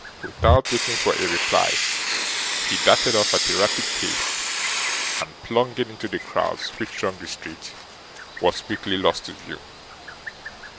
Without waiting for a reply, he darted off at a rapid pace, and, plunging into the crowds which thronged the street, was quickly lost to view.